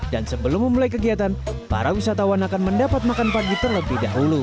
dan sebelum memulai kegiatan para wisatawan akan mendapat makan pagi terlebih dahulu